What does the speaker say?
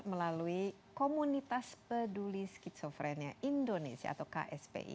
melalui komunitas peduli skizofrenia indonesia atau kspi